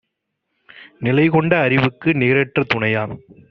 நிலைகொண்ட அறிவுக்கு நிகரற்ற துணையாம்;